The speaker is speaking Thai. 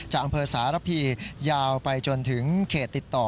อำเภอสารพียาวไปจนถึงเขตติดต่อ